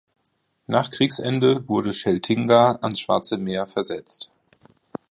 Nach Kriegsende wurde Scheltinga ans Schwarze Meer versetzt.